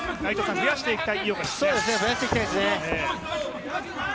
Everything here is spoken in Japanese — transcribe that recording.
増やしていきたいですね。